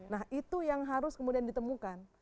nah itu yang harus kemudian ditemukan